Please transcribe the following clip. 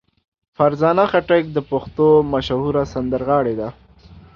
فرزانه خټک د پښتو مشهوره سندرغاړې ده.